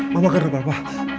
mama kena apa apa